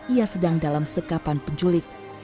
ia sedang dalam sekapan penculik